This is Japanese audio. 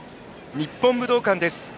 日本武道館です。